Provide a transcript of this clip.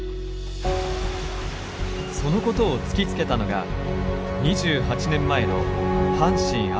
そのことを突きつけたのが２８年前の阪神・淡路大震災でした。